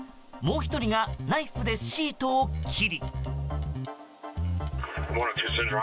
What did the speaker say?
もう１人がナイフでシートを切り。